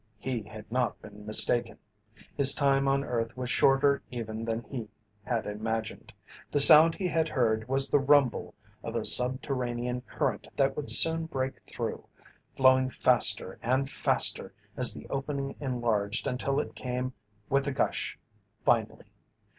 He had not been mistaken. His time on earth was shorter even than he had imagined. The sound he had heard was the rumble of a subterranean current that would soon break through, flowing faster and faster as the opening enlarged until it came with a gush, finally.